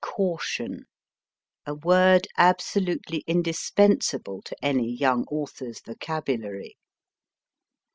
244 MY FIRST BOOK caution a word absolutely indispensable to any young author s vocabulary.